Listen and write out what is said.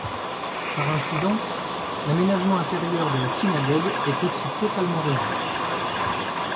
Par incidence, l'aménagement intérieur de la synagogue est aussi totalement revu.